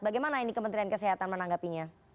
bagaimana ini kementerian kesehatan menanggapinya